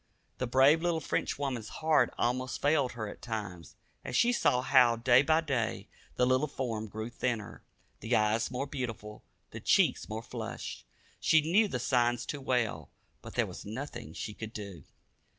The brave little Frenchwoman's heart almost failed her at times, as she saw how day by day the little form grew thinner, the eyes more beautiful, the cheeks more flushed. She knew the signs too well, but there was nothing she could do.